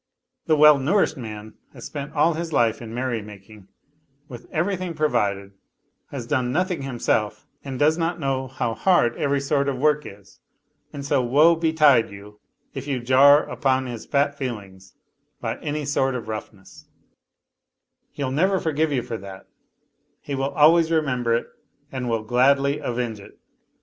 Th well nourished man has spent all his life in merry making, witi everything provided, has done nothing himself and does no know how hard every sort of work is, and so woe betide you i you jar upon his fat feelings by any sort of roughness; he'] never forgive you for that, he will always remember it and wi] gladly avenge it.